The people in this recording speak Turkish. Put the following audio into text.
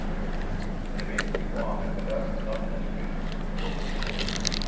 Demek ki bu ana kadar bundan kaçmışım…